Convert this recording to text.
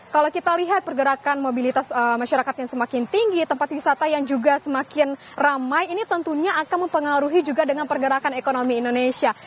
kalau kita lihat pergerakan mobilitas masyarakat yang semakin tinggi tempat wisata yang juga semakin ramai ini tentunya akan mempengaruhi juga dengan pergerakan ekonomi indonesia